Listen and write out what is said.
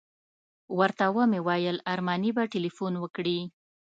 ورته ومې ویل ارماني به تیلفون وکړي.